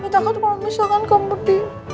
takut kalo misalkan kamu di